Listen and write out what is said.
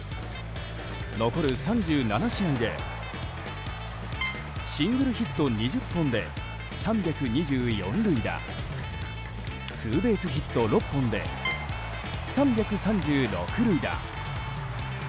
残る３７試合でシングルヒット２０本で３２４塁打ツーベースヒット６本で３３６塁打。